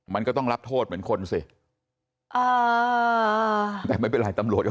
มันก็ต้องรับโทษเหมือนคนสิอ่าแต่ไม่เป็นไรตำรวจก็